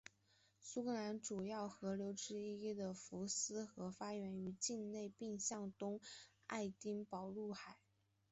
苏格兰主要河流之一的福斯河发源于境内并东向爱丁堡入海。